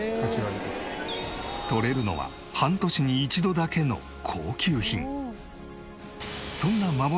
とれるのは半年に一度だけの高級品。